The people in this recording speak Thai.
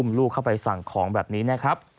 ลูกเข้าไปสั่งของแบบนี้นะครับ